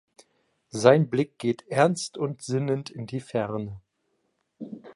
Sein Blick geht ernst und sinnend in die Ferne.